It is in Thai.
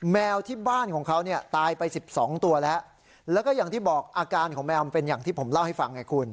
แมวที่บ้านของเขาเนี่ยตายไปสิบสองตัวแล้วแล้วก็อย่างที่บอกอาการของแมวมันเป็นอย่างที่ผมเล่าให้ฟังไงคุณ